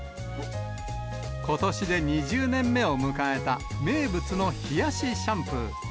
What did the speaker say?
ことしで２０年目を迎えた、名物の冷やしシャンプー。